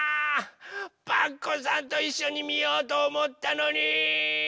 パクこさんといっしょにみようとおもったのに！